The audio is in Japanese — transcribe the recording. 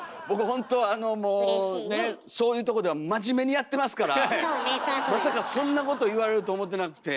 そういうとこでは真面目にやってますからまさかそんなこと言われると思ってなくて。